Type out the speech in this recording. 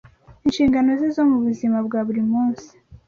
inshingano ze zo mu buzima bwa buri munsi.